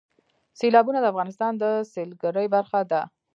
سیلابونه د افغانستان د سیلګرۍ برخه ده.